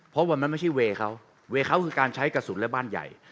เพราะวันนั้นไม่ใช่เวย์เขาเวย์เขาคือการใช้กระสุนและบ้านใหญ่